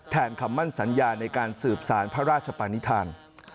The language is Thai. คำมั่นสัญญาในการสืบสารพระราชปานิษฐาน